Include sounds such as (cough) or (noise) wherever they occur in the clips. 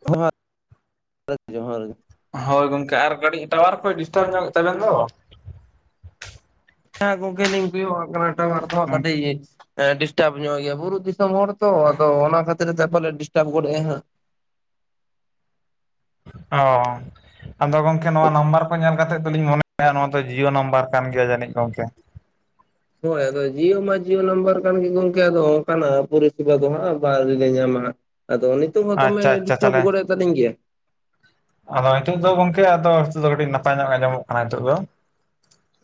(unintelligible) ᱡᱚᱦᱟᱨ ᱜᱮ᱾ ᱦᱳᱭ ᱜᱚᱝᱠᱮ ᱟᱨ ᱠᱟᱹᱴᱤᱡ ᱴᱟᱣᱟᱨ ᱠᱚᱡ ᱰᱤᱥᱴᱟᱵ ᱧᱚᱜ ᱮ ᱛᱟᱵᱮᱱ ᱫᱚ᱾ ᱦᱮᱸ ᱜᱚᱝᱠᱮ ᱞᱤᱧ ᱠᱚᱭᱚᱜᱟ ᱠᱟᱱᱟ ᱴᱟᱣᱟᱨ ᱫᱚ ᱜᱚᱝᱠᱮ ᱠᱟᱴᱤᱡ ᱰᱤᱥᱴᱟᱵ ᱧᱚᱜ ᱜᱮᱭᱟ ᱵᱩᱨᱩ ᱫᱤ ᱥᱚᱢ ᱦᱚᱲ ᱛᱚ ᱟᱫᱚ ᱚᱱᱟ ᱠᱷᱟᱹᱛᱤᱨ ᱛᱮ ᱯᱟᱞᱮ ᱰᱤᱥᱴᱟᱵ ᱜᱚᱫ ᱮᱜᱼᱟ ᱦᱟᱸᱜ᱾ ᱚ᱾ ᱟᱫᱚ ᱜᱚᱝᱠᱮ ᱱᱚᱣᱟ ᱱᱟᱢᱵᱟᱨ ᱠᱚ ᱧᱮᱞ ᱠᱟᱛᱮᱜ ᱫᱚᱞᱤᱧ ᱢᱚᱱᱮᱭᱟ ᱱᱚᱣᱟ ᱫᱚ ᱡᱤᱭᱳ ᱱᱟᱢᱵᱟᱨ ᱠᱟᱱ ᱜᱮᱭᱟ ᱡᱟᱹᱱᱤᱡ ᱜᱚᱝᱠᱮ᱾ ᱦᱳᱭ ᱟᱫᱚ ᱡᱤᱭᱳ ᱢᱟ ᱡᱤᱭᱳ ᱱᱟᱢᱵᱟᱨ ᱠᱟᱱ ᱜᱮ ᱜᱚᱝᱠᱮ ᱟᱫᱚ ᱚᱱᱠᱟᱱᱟᱜ ᱯᱚᱨᱤᱥᱮᱵᱟ ᱫᱚ ᱦᱟᱸᱜ ᱵᱟ ᱟᱣᱨᱤᱞᱮ ᱧᱟᱢᱟ ᱦᱟᱸᱜ᱾ ᱟᱫᱚ ᱱᱤᱛᱚᱜ ᱦᱚᱸ ᱫᱚᱢᱮ ᱟᱪᱪᱷᱟ ᱟᱪᱪᱷᱟ ᱰᱤᱥᱴᱟᱵ ᱛᱟᱦᱚᱞᱮ ᱜᱚᱫ ᱛᱟᱹᱞᱤᱧ ᱜᱮᱭᱟ? ᱟᱫᱚ ᱱᱤᱛᱳ ᱫᱚ ᱜᱚᱝᱠᱮ ᱟᱫᱚ ᱱᱤᱛᱚᱜ ᱫᱚ ᱠᱟᱹᱴᱤᱡ ᱱᱟᱯᱟᱭ ᱧᱚᱜ ᱟᱸᱚᱢᱚᱜ ᱠᱟᱱᱟ ᱱᱤᱛᱚᱜ ᱫᱚ᱾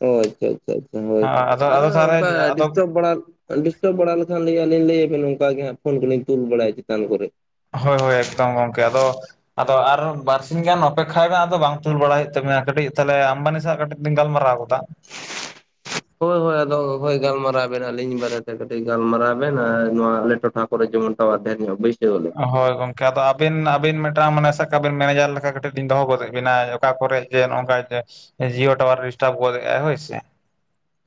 ᱚ ᱟᱪᱪᱷᱟ ᱟᱪᱪᱷᱟ ᱟᱪᱪᱷᱟ ᱦᱳᱭ ᱟᱫᱚ ᱟᱫᱚ ᱟᱨᱚ ᱛᱟᱦᱚᱞᱮ ᱚᱝᱠᱟ ᱟᱫᱚ ᱰᱤᱥᱴᱟᱵ ᱵᱟᱲᱟ ᱰᱤᱥᱴᱟᱵ ᱵᱟᱲᱟ ᱞᱮᱠᱷᱟᱱ ᱞᱤᱧ ᱞᱟᱹᱭ ᱟᱵᱤᱱ ᱱᱚᱝᱠᱟ ᱜᱮ ᱦᱟᱸᱜ ᱯᱷᱳᱱ ᱠᱚᱞᱤᱧ ᱛᱩᱞ ᱵᱟᱲᱟᱭᱟ ᱪᱮᱛᱟᱱ ᱠᱚᱨᱮᱜ᱾ ᱦᱳᱭ ᱦᱳᱭ ᱮᱠᱫᱚᱢ ᱜᱚᱝᱠᱮ ᱟᱫᱚ ᱟᱫᱚ ᱟᱨᱚ ᱵᱟᱨᱥᱤᱧ ᱜᱟᱱ ᱚᱯᱮᱠᱷᱟ ᱢᱮ ᱟᱫᱚ ᱵᱟᱝ ᱛᱩᱞ ᱵᱟᱲᱟᱭ ᱦᱳᱭᱳᱜ ᱛᱟᱵᱤᱱᱟ ᱠᱟᱹᱴᱤᱡ ᱛᱟᱦᱚᱞᱮ ᱟᱢᱵᱟᱱᱤ ᱥᱟᱶᱟᱜ ᱠᱟᱹᱴᱤᱡ ᱞᱤᱧ ᱜᱟᱞ ᱢᱟᱨᱟᱣ ᱜᱚᱫᱟ᱾ ᱦᱳᱭ ᱦᱳᱭ ᱟᱫᱚ ᱦᱳᱭ ᱜᱟᱞᱢᱟᱨᱟᱣ ᱵᱮᱱ ᱟᱹᱞᱤᱧ ᱵᱟᱨᱮᱛᱮ ᱠᱟᱹᱴᱤᱡ ᱜᱟᱞᱢᱟᱨᱟᱣ ᱵᱮᱱ ᱟᱨ ᱱᱚᱣᱟ ᱟᱞᱮ ᱴᱚᱴᱷᱟ ᱠᱚᱨᱮ ᱡᱮᱢᱚᱱ ᱴᱟᱣᱭᱟᱨ ᱰᱷᱮᱨ ᱧᱚᱜ ᱵᱟ. ᱭ ᱦᱳᱭ ᱜᱚᱝ ᱠᱮ ᱟᱫᱚ ᱟᱹᱵᱤᱱ ᱟᱹᱵᱤᱱ ᱢᱤᱫᱴᱟᱝ ᱢᱟᱱᱮ ᱥᱟᱵ ᱠᱟᱜᱵᱮᱱ ᱢᱮᱱᱮᱡᱟᱨ ᱞᱮᱠᱟ ᱠᱟᱹᱴᱤᱡ ᱞᱤᱧ ᱫᱚᱦᱚ ᱜᱚᱫ ᱵᱮᱱᱟ ᱚᱠᱟ ᱠᱚᱨᱮ ᱡᱮ ᱱᱚᱝᱠᱟ ᱡᱮ ᱡᱤᱭᱳ ᱴᱟᱣᱟᱨ ᱰᱤᱥᱴᱟᱵ ᱜᱚᱫ ᱮᱜᱼᱟ ᱦᱳᱭ ᱥᱮ᱾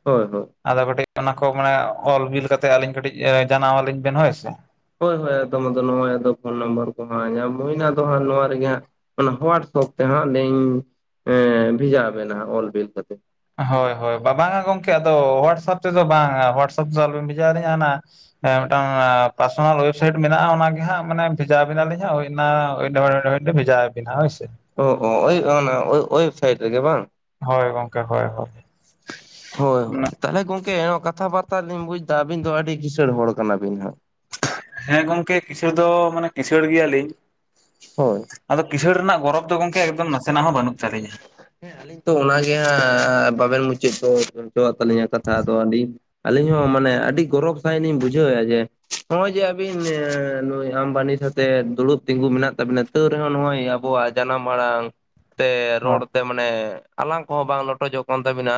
ᱦᱳᱭ ᱦᱳᱭ᱾ ᱟᱫᱚ ᱠᱟᱹᱴᱤᱡ ᱚᱱᱟ ᱠᱚ ᱢᱟᱱᱮ ᱚᱞ ᱵᱤᱞ ᱠᱟᱛᱮᱜ ᱟᱹᱞᱤᱧ ᱠᱟᱹᱴᱤᱡ ᱡᱟᱱᱟᱣ ᱟᱹᱞᱤᱧ ᱵᱮᱱ ᱦᱳᱭ ᱥᱮ᱾ ᱦᱳᱭ ᱦᱳᱭ ᱮᱫᱚᱢ ᱟᱫᱳ ᱱᱚᱜᱼᱚᱭ ᱯᱷᱳᱱ ᱱᱟᱢᱵᱟᱨ ᱠᱚ ᱦᱟᱜ ᱧᱟᱢ ᱦᱩᱭᱱᱟ ᱫᱚ ᱦᱟᱸᱜ ᱱᱚᱣᱟ ᱨᱮᱜᱮ ᱦᱟᱸᱜ ᱚᱱᱟ ᱦᱳᱣᱟᱴᱥᱚᱯ ᱛᱮ ᱦᱟᱸᱜ ᱞᱤᱧ ᱮᱸ ᱵᱷᱮᱡᱟ ᱵᱮᱱᱟ ᱦᱟᱸᱜ ᱚᱞ ᱵᱤᱞ ᱠᱟᱛᱮᱜ᱾ ᱦᱳᱭ ᱦᱳᱭ ᱵᱟᱵᱟ ᱟᱝ ᱜᱚᱝᱠᱮ ᱟᱫᱚ ᱦᱳᱣᱟᱴᱥᱟᱯ ᱛᱮᱫᱚ ᱵᱟᱝᱟ ᱦᱚᱳᱣᱟᱴᱥᱟᱯ ᱛᱚ ᱟᱞᱚᱵᱮᱱ ᱵᱷᱮᱡᱟ ᱟᱞᱤᱧᱟ ᱦᱟᱸᱱᱟ ᱦᱮ ᱢᱤᱫᱴᱟᱝ ᱯᱟᱨᱥᱚᱱᱟᱞ ᱚᱭᱮᱵᱥᱟᱭᱤᱴ ᱢᱮᱱᱟᱜᱼᱟ ᱚᱱᱟᱜ ᱜᱮ ᱦᱟᱸᱜ ᱢᱟᱱᱮ ᱵᱷᱮᱡᱟ ᱟᱵᱤᱱᱟᱞᱤᱧ ᱦᱟ ᱦᱳᱭ ᱚᱱᱟ ᱵᱷᱮᱡᱟ ᱵᱤᱱᱟ ᱦᱳᱭ ᱥᱮ᱾ ᱚ ᱚ ᱳᱭ ᱚᱱᱟ ᱳᱭ ᱳᱭᱮᱵᱥᱟᱭᱤᱴ ᱨᱮᱜᱮ ᱵᱟᱝ? ᱦᱳᱭ ᱜᱚᱝᱠᱮ ᱦᱳᱭ ᱦᱳᱭ, ᱦᱳᱭ ᱚᱱᱟ ᱦᱳᱭ ᱛᱟᱦᱚᱞᱮ ᱜᱚᱝᱠᱮ ᱱᱚᱣᱟ ᱠᱟᱛᱷᱟ ᱵᱟᱨᱛᱟ ᱞᱤᱧ ᱵᱩᱡ ᱫᱟ ᱟᱹᱵᱤᱱ ᱫᱚ ᱟᱹᱰᱤ ᱠᱤᱥᱟᱹᱲ ᱦᱚᱲ ᱠᱟᱱᱟᱵᱤᱱ ᱦᱟᱸᱜ᱾ ᱦᱮᱸ ᱜᱚᱝᱠᱮ ᱠᱤᱥᱟᱬ ᱫᱚ ᱢᱟᱱᱮ ᱠᱤᱥᱟᱬ ᱜᱮᱭᱟ ᱞᱤᱧ᱾ ᱦᱳᱭ ᱟᱫᱚ ᱠᱤᱥᱟᱹᱬ ᱨᱮᱱᱟᱜ ᱜᱚᱨᱚᱵ ᱫᱚ ᱜᱚᱝᱠᱮ ᱮᱠᱫᱚᱢ ᱱᱟᱥᱮ ᱱᱟᱜ ᱦᱚᱸ ᱵᱟᱹᱱᱩᱜ ᱛᱟᱹᱞᱤᱧ ᱧᱟ᱾ ᱦᱮᱸ ᱟᱹᱞᱤᱧ ᱛᱚ ᱚᱱᱟᱜᱮ ᱦᱟᱜ ᱵᱟᱵᱮᱱ ᱢᱩᱪᱟᱹᱫ ᱦᱚᱪᱚᱣᱟᱜ ᱛᱟᱹᱞᱤᱧᱟ ᱠᱟᱛᱷᱟ ᱟᱫᱚ ᱟᱹᱞᱤᱧ, ᱟᱹᱞᱤᱧ ᱦᱚᱸ ᱢᱟᱱᱮ ᱟᱹᱰᱤ ᱜᱚᱨᱚᱵ ᱥᱟᱺᱦᱤᱡ ᱞᱤᱧ ᱵᱩᱡᱷᱟᱹᱣᱮᱭᱼᱟ ᱡᱮ, ᱱᱚᱜ ᱚᱭ ᱡᱮ ᱟᱹᱵᱤᱱ ᱱᱩᱭ ᱟᱢᱵᱟᱱᱤ ᱥᱟᱛᱮ ᱫᱩᱲᱩᱵ ᱛᱤᱸᱜᱩ ᱢᱮᱱᱟᱜ ᱛᱟᱵᱤᱱᱟ᱾ ᱛᱟᱹᱣ ᱨᱮᱦᱚᱸ ᱱᱚᱜᱼᱚᱭ ᱟᱵᱚᱣᱟᱜ ᱡᱟᱱᱟᱢ ᱟᱲᱟᱝ᱾ ᱛᱮ ᱦᱳᱭ ᱨᱚᱲ ᱛᱮ ᱢᱟᱱᱮ ᱟᱞᱟᱝ ᱠᱚᱦᱚᱸ ᱵᱟᱝ ᱞᱚᱴᱚᱡᱚᱜ ᱠᱟᱱ ᱛᱟᱹᱵᱤᱱᱟ᱾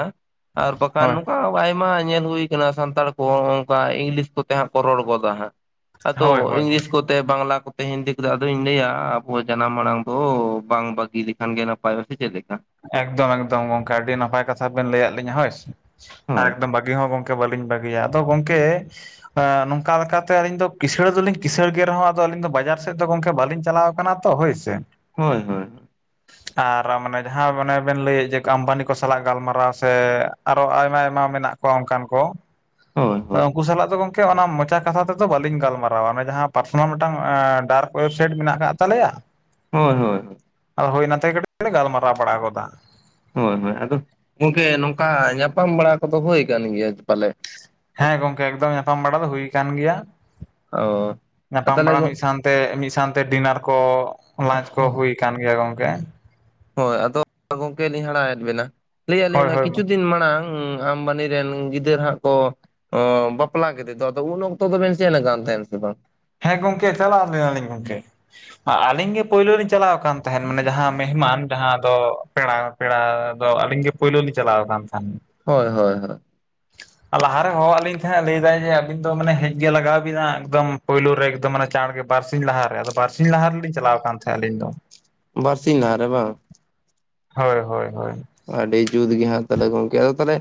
ᱟᱨ ᱵᱟᱠᱷᱟᱱ ᱦᱳᱭ ᱱᱚᱠᱟ, ᱟᱭᱢᱟ ᱧᱮᱞ ᱦᱩᱭ ᱠᱟᱱᱟ ᱥᱟᱱᱛᱟᱲ ᱠᱚ ᱚᱝᱠᱟ ᱤᱝᱞᱤᱥ ᱠᱚᱛᱮ ᱦᱟᱸᱜ ᱠᱚ ᱨᱚᱲ ᱜᱚᱫᱟ ᱦᱟᱸᱜ᱾ ᱟᱫᱚ ᱦᱳᱭ ᱦᱳᱭ ᱤᱝᱞᱤᱥ ᱠᱚ, ᱛᱮ ᱵᱟᱝᱞᱟ ᱠᱚᱛᱮ ᱦᱤᱱᱫᱤ ᱠᱚᱛᱮ ᱟᱫᱩᱧ ᱞᱟᱹᱭ ᱟ ᱟᱵᱚ ᱡᱟᱱᱟᱢ ᱟᱲᱟᱝ ᱫᱚ ᱵᱟᱝ ᱵᱟᱹᱜᱤ ᱞᱮᱠᱷᱟᱱ ᱜᱮ ᱱᱟᱯᱟᱭ ᱵᱟᱥᱮ ᱪᱮᱫ ᱞᱮᱠᱟ? ᱮᱠᱫᱚᱢ ᱮᱠᱫᱚᱢ ᱜᱚᱝᱠᱮ ᱟᱹᱰᱤ ᱱᱟᱯᱟᱭ ᱠᱟᱛᱷᱟ ᱵᱮᱱ ᱞᱟᱹᱭ ᱟᱫ ᱞᱤᱧᱟᱹ ᱦᱳᱭ ᱥᱮ ᱦᱳᱭ ᱮᱠᱫᱚᱢ ᱵᱷᱟᱹᱜᱤ ᱦᱚᱸ ᱜᱚᱝᱠᱮ, ᱵᱟᱹᱞᱤᱧ ᱵᱟᱹᱜᱤᱭᱟ ᱟᱫᱚ ᱜᱚᱝᱠᱮ, ᱱᱚᱝᱠᱟ ᱞᱮᱠᱟᱛᱮ ᱟᱹᱞᱤᱧ ᱫᱚ ᱠᱤᱥᱟᱬ ᱫᱚᱞᱤᱧ ᱠᱤᱥᱟᱬ ᱜᱮ ᱨᱮᱦᱚᱸ ᱟᱫᱚ ᱟᱹᱞᱤᱧ ᱫᱚ ᱵᱟᱡᱟᱨ ᱥᱮᱫ ᱫᱚ ᱜᱚᱝᱠᱮ ᱵᱟᱹᱞᱤᱧ ᱪᱟᱞᱟᱣ ᱠᱟᱱᱟ᱾ ᱛᱚ ᱦᱳᱭ ᱥᱮ᱾ ᱦᱳᱭ ᱦᱳᱭ᱾ ᱟᱨ ᱨᱟᱢᱟᱱᱮ, ᱡᱟᱦᱟᱸ ᱢᱟᱱᱮ ᱵᱮᱱ ᱞᱟᱹᱭ ᱮᱫ ᱡᱮ ᱟᱢᱵᱟᱱᱤ ᱠᱚ ᱥᱟᱞᱟᱜ ᱜᱟᱞᱢᱟᱨᱟᱣ ᱥᱮ ᱟᱨᱚ ᱟᱭᱢᱟ ᱟᱭᱢᱟ ᱢᱮᱱᱟᱜ ᱠᱚᱣᱟ ᱚᱱᱠᱟᱱ ᱠᱚ᱾ ᱦᱳᱭ ᱛᱚ, ᱦᱳᱭ ᱩᱱᱠᱩ ᱥᱟᱞᱟᱜ ᱫᱚ ᱜᱚᱝᱠᱮ ᱚᱱᱟ ᱢᱚᱪᱟ ᱠᱟᱛᱷᱟ ᱛᱮᱫᱚ ᱵᱟᱹᱞᱤᱧ ᱜᱟᱞᱢᱟᱨᱟᱣ-ᱟ ᱮ ᱡᱟᱦᱟᱸ ᱯᱟᱨᱥᱚᱱᱟᱞ ᱢᱤᱫᱴᱟᱝ ᱰᱟᱨᱠ ᱚᱭᱮᱵᱥᱟᱭᱤᱴ ᱢᱮᱱᱟᱜ ᱠᱟᱫ ᱛᱟᱞᱮᱭᱟ᱾ ᱦᱳᱭ ᱦᱳᱭ ᱦᱳᱭ। ᱟᱫᱚ ᱦᱳᱭ ᱱᱟᱛᱮ ᱠᱟᱹᱴᱤᱡ ᱜᱟᱞᱢᱟᱨᱟᱣ ᱵᱟᱲᱟ ᱜᱚᱫᱟ᱾ ᱦᱳᱭ ᱦᱳᱭ, ᱟᱫᱚ ᱜᱚᱝᱠᱮ ᱱᱚᱝᱠᱟ ᱧᱟᱯᱟᱢ ᱵᱟᱲᱟ ᱠᱚᱫᱚ ᱦᱩᱭ ᱠᱟᱱ ᱜᱮᱭᱟ ᱯᱟᱞᱮᱫ? ᱦᱮᱸ ᱜᱚᱝᱠᱮ ᱮᱠᱫᱚᱢ ᱧᱟᱯᱟᱢ ᱵᱟᱲᱟ ᱫᱚ ᱦᱩᱭ ᱠᱟᱱᱟ ᱜᱮᱭᱟ᱾ ᱚ ᱧᱟᱯᱟᱢ ᱛᱟᱦᱚᱞᱮ ᱵᱟᱲᱟ ᱜᱚ ᱢᱤᱫ ᱥᱟᱶᱛᱮ ᱢᱤᱫ ᱥᱟᱶᱛᱮ ᱰᱤᱱᱟᱨ ᱠᱚ ᱞᱟᱧᱪ ᱠᱚ ᱦᱩᱭ ᱠᱟᱱ ᱜᱮᱭᱟ ᱜᱚᱝᱠᱮ᱾ ᱦᱳᱭ ᱟᱫᱚ ᱜᱚᱝᱠᱮ ᱞᱤᱧ ᱦᱟᱨᱟᱜ ᱮᱫ ᱵᱮᱱᱟ, ᱞᱟᱹᱭ ᱦᱳᱭ ᱟᱞᱤᱧ ᱦᱳᱭ ᱢᱟ ᱠᱤᱪᱷᱩ ᱫᱤᱱ ᱢᱟᱲᱟᱝ, ᱟᱢ ᱵᱟᱱᱤ ᱨᱮᱱ ᱜᱤᱫᱟᱹᱨ ᱦᱟᱸᱜ ᱠᱚ, ᱚ ᱵᱟᱯᱞᱟ ᱠᱮᱫᱮᱫᱚ ᱟᱫᱚ ᱩᱱ ᱚᱠᱛᱚ ᱫᱚ ᱵᱮᱱ ᱥᱮᱱ ᱠᱟᱱ ᱛᱟᱦᱮᱱ ᱥᱮ ᱵᱟᱝ? ᱦᱮᱸ ᱜᱚᱝᱠᱮ ᱪᱟᱞᱟᱣ ᱞᱮᱱᱟᱞᱤᱧ ᱜᱚᱝᱠᱮ᱾ ᱟᱹᱞᱤᱧ ᱜᱮ ᱯᱳᱭᱞᱳ ᱞᱤᱧ ᱪᱟᱞᱟᱣ ᱠᱟᱱ ᱛᱟᱦᱮᱸᱱ, ᱢᱟᱱᱮ ᱡᱟᱦᱟᱸ ᱢᱮᱦᱢᱟᱱ ᱡᱟᱦᱟᱸ ᱫᱚ, ᱯᱮᱲᱟ ᱯᱮᱲᱟ ᱫᱚ ᱟᱹᱞᱤᱧ ᱜᱮ ᱯᱳᱭᱞᱳ ᱞᱤᱧ ᱪᱟᱞᱟᱣ ᱟᱠᱟᱱ ᱛᱟᱦᱮᱱᱟ᱾ ᱦᱳᱭ ᱦᱳᱭ ᱦᱳᱭ᱾ ᱞᱟᱦᱟᱨᱮ ᱦᱚᱦᱚ ᱟᱫ ᱞᱤᱧ ᱛᱟᱦᱮᱸᱫ, ᱞᱟᱹᱭᱫᱟᱭ ᱡᱮ ᱟᱹᱵᱤᱱ ᱫᱚ ᱢᱟᱱᱮ ᱦᱮᱡ ᱜᱮ ᱞᱟᱜᱟᱣ ᱵᱤᱱᱟ ᱮᱠᱫᱚᱢ, ᱯᱩᱭᱞᱳ ᱨᱮ ᱮᱠᱫᱚᱢ ᱢᱟᱱᱮ ᱪᱟᱸᱬ ᱜᱮ ᱵᱟᱨᱥᱤᱧ ᱞᱟᱦᱟᱨᱮ, ᱟᱫᱚ ᱵᱟᱨᱥᱤᱧ ᱞᱟᱦᱟ ᱨᱮᱞᱤᱧ ᱪᱟᱞᱟᱣ ᱟᱠᱟᱱ ᱛᱟᱦᱮᱸᱫ ᱟᱹᱞᱤᱧ ᱫᱚ᱾ ᱵᱟᱨᱥᱤᱧ ᱞᱟᱦᱟ ᱨᱮ ᱵᱟᱝ? ᱦᱳᱭ ᱦᱳᱭ ᱦᱳᱭ᱾ ᱟᱹᱰᱤ ᱡᱩᱛ ᱜᱮ ᱦᱟᱸᱜ ᱛᱟᱦᱚᱞᱮ ᱜᱚᱝᱠᱮ ᱟᱫᱚ ᱛᱟᱦᱚᱞᱮ,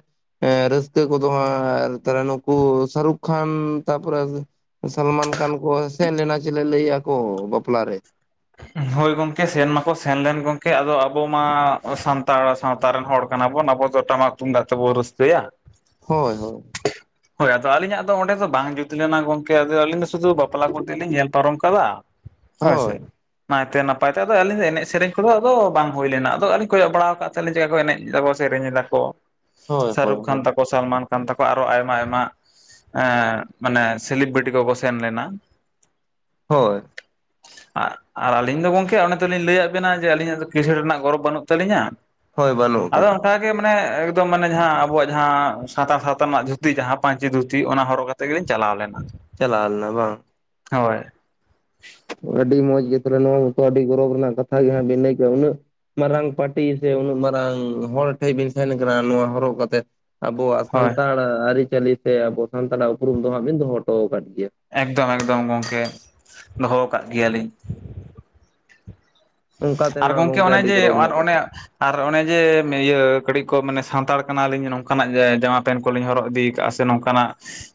ᱮᱸ ᱨᱟᱹᱥᱠᱟᱹ ᱠᱚᱫᱚ ᱦᱟᱸᱜ ᱛᱟᱦᱚᱞᱮ ᱱᱩᱠᱩ ᱥᱟᱨᱩᱠ ᱠᱷᱟᱱ ᱛᱟᱨᱯᱚᱨᱮ, ᱥᱟᱞᱢᱟᱱ ᱠᱷᱟᱱ ᱠᱚ ᱥᱮᱱ ᱞᱮᱱᱟ ᱪᱮᱞᱮ ᱞᱟᱹᱭ ᱮᱫᱟ ᱠᱚ ᱵᱟᱯᱞᱟ ᱨᱮ᱾ ᱦᱳᱭ ᱜᱚᱝᱠᱮ ᱥᱮᱱ ᱢᱟᱠᱚ ᱥᱮᱱᱞᱮᱱ ᱜᱚᱝᱠᱮ, ᱟᱫᱚ ᱟᱵᱚ ᱢᱟ ᱥᱟᱱᱛᱟᱲ ᱥᱟᱶᱛᱟ ᱨᱮᱱ ᱦᱚᱲ, ᱠᱟᱱᱟ ᱵᱚᱱ ᱟᱵᱚ ᱫᱚ ᱴᱟᱢᱟᱠ ᱛᱩᱢᱫᱟᱜ ᱛᱮᱵᱚ ᱨᱟᱹᱥᱠᱟᱹᱭᱟ᱾ ᱦᱳᱭ ᱦᱳᱭ᱾ ᱦᱳᱭ ᱟᱫᱚ ᱟᱹᱞᱤᱧᱟᱜ ᱫᱚ ᱚᱸᱰᱮ ᱫᱚ ᱵᱟᱝ ᱡᱩᱛ ᱞᱮᱱᱟ ᱜᱚᱝᱠᱮ, ᱟᱫᱚ ᱟᱹᱞᱤᱧ ᱫᱚ ᱥᱩᱫᱩ ᱵᱟᱯᱞᱟ ᱠᱚᱛᱮᱜ ᱞᱤᱧ ᱧᱮᱞ ᱯᱟᱨᱚᱢ ᱠᱟᱫᱟ᱾ ᱦᱳᱭ ᱥᱮ᱾ ᱱᱟᱭᱛᱮ ᱱᱟᱯᱟᱭ ᱛᱮ, ᱟᱫᱚ ᱟᱹᱞᱤᱧ ᱫᱚ ᱮᱱᱮᱡ ᱥᱮᱨᱮᱧ ᱠᱚᱫᱚ ᱟᱫᱚ ᱵᱟᱝ ᱦᱩᱭ ᱞᱮᱱᱟ ᱟᱫᱚ ᱟᱹᱞᱤᱧ ᱠᱚᱭᱚᱜ ᱵᱟᱲᱟᱣ ᱠᱟᱜ ᱛᱟᱦᱮᱸᱜ ᱞᱤᱧ ᱪᱮᱫ ᱞᱮᱠᱟ ᱠᱚ ᱮᱱᱮᱡ ᱫᱟᱠᱚ ᱥᱮᱨᱮᱧ ᱮᱫᱟ ᱠᱚ, ᱦᱳᱭ ᱦᱳᱭ ᱥᱟᱨᱩᱠ ᱠᱷᱟᱱ ᱦᱳᱭ ᱛᱟᱠᱚ, ᱥᱟᱞᱢᱟᱱ ᱠᱷᱟᱱ ᱛᱟᱠᱚ ᱟᱨᱚ ᱟᱭ ᱢᱟ ᱟᱭᱢᱟ, ᱮᱸᱻ ᱢᱟᱱᱮ ᱥᱮᱞᱤᱵᱨᱤᱴᱤ ᱠᱚᱠᱚ ᱥᱮᱱ ᱞᱮᱱᱟ᱾ ᱦᱳᱭ᱾ ᱟᱨ ᱟᱹᱞᱤᱧ ᱫᱚ ᱜᱚᱝᱠᱮ ᱚᱱᱮ ᱛᱚᱞᱤᱧ ᱞᱟᱹᱭᱟᱜ ᱵᱮᱱᱟ ᱡᱮ ᱟᱹᱞᱤᱧᱟᱜ ᱫᱚ ᱠᱤᱥᱟᱸᱬ ᱨᱮᱱᱟᱜ ᱜᱚᱨᱚᱵᱽ ᱵᱟᱹᱱᱩᱜ ᱛᱟᱹᱞᱤᱧᱟ, ᱦᱳᱭ ᱵᱟᱹᱱᱩᱜ ᱟᱫᱚ ᱟᱠᱟᱫᱟ ᱚᱱᱠᱟ ᱜᱮ ᱢᱟᱱᱮ ᱮᱠᱫᱚᱢ ᱢᱟᱱᱮ ᱡᱟᱦᱟᱸ ᱟᱵᱚᱣᱟᱜ ᱡᱟᱦᱟᱸ ᱥᱟᱱᱛᱟᱲ ᱥᱟᱶᱛᱟ ᱨᱮᱱᱟᱜ ᱫᱷᱩ ᱛᱤ, ᱡᱟᱦᱟᱸ ᱯᱟᱧᱪᱤ ᱫᱷᱩᱛᱤ ᱚᱱᱟ ᱦᱚᱨᱚᱜ ᱠᱟᱛᱮ ᱜᱮᱞᱤᱧ ᱪᱟᱞᱟᱣ ᱞᱮᱱᱟ᱾ ᱪᱟᱞᱟᱣ ᱞᱮᱱᱟ ᱵᱟᱝ? ᱦᱳᱭ᱾ ᱟᱹᱰᱤ ᱢᱚᱸᱡᱽ ᱜᱮ ᱛᱟᱦᱚᱞᱮ ᱱᱚᱣᱟ ᱢᱟᱛᱚ ᱟᱹᱰᱤ ᱜᱚᱨᱚᱵᱽ ᱨᱮᱱᱟᱜ ᱠᱟᱛᱷᱟ ᱜᱮ ᱦᱟᱸᱜ ᱵᱤᱱ ᱞᱟᱹᱭ ᱠᱮᱫᱼᱟ, ᱩᱱᱟᱹᱜ ᱢᱟᱨᱟᱝ ᱯᱟᱴᱤ ᱥᱮ ᱩᱱᱟᱹᱜ ᱢᱟᱨᱟᱝ ᱦᱚᱲ ᱴᱷᱮᱡ ᱵᱤᱱ ᱥᱮᱱ ᱟᱠᱟᱱᱟ ᱱᱚᱣᱟ ᱦᱚᱨᱚᱜ ᱠᱟᱛᱮᱫ᱾ ᱟᱵᱚᱣᱟᱜ ᱦᱳᱭ ᱥᱟᱱᱛᱟᱲ ᱟᱨᱤ ᱪᱟᱹᱞᱤ ᱥᱮ ᱟᱵᱚ ᱥᱟᱱᱛᱟᱲᱟᱜ ᱩᱯᱨᱩᱢ ᱫᱚ ᱦᱟᱸᱜ ᱵᱤᱱ ᱫᱚᱦᱚ ᱦᱚᱴᱚ ᱠᱟᱫ ᱜᱮᱭᱟ᱾ ᱮᱠᱫᱚᱢ ᱮᱠᱫᱚᱢ ᱜᱚᱝᱠᱮ, ᱫᱚᱦᱚ ᱟ ᱠᱟᱜ ᱜᱮᱭᱟᱞᱤᱧ᱾ ᱚᱱᱠᱟ ᱟᱨ ᱛᱮᱢᱟ ᱜᱚᱝᱠᱮ ᱚᱱᱮ ᱟᱹᱰᱤ ᱡᱮ ᱜᱚᱨᱚᱵᱽ ᱟᱨ ᱨᱮᱱᱟᱜ ᱚᱱᱮ ᱠᱟᱛᱷᱟ ᱟᱨ ᱚᱱᱮ ᱡᱮ ᱤᱭᱟᱹ ᱠᱟᱹᱴᱤᱡ ᱠᱚ ᱢᱟᱱᱮ ᱥᱟᱱᱛᱟᱲ ᱠᱟᱱᱟᱞᱤᱧ ᱱᱚᱝᱠᱟᱱᱟᱜ ᱡᱮ ᱡᱟᱢᱟ ᱯᱮᱱᱴ ᱠᱚᱞᱤᱧ ᱦᱚᱨᱚᱜ ᱤᱫᱤ ᱠᱟᱜᱼᱟ ᱥᱮ ᱥᱮ ᱱᱚᱝᱠᱟᱱᱟᱜ,